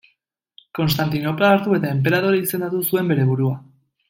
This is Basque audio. Konstantinopla hartu eta enperadore izendatu zuen bere burua.